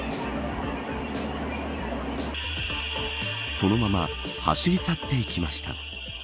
そのまま走り去っていきました。